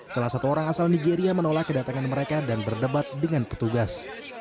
salah satu orang asal nigeria menolak kedatangan mereka dan berdebat dengan petugas